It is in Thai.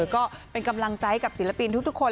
ก็เป็นกำลังใจกับศิลปินทุกคน